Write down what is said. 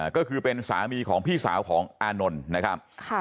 ก็คือเป็นสามีของพี่สาวของอานนท์นะครับ